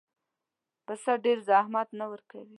پسه ډېر زحمت نه ورکوي.